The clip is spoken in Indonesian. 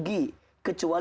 kecuali orang yang beramal